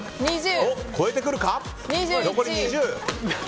超えてくるか。